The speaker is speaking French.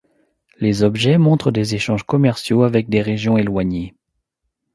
Les objets montrent des échanges commerciaux avec des régions éloignées.